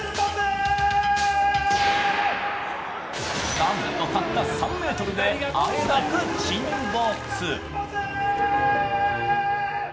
なんとたった３ｍであえなく沈没。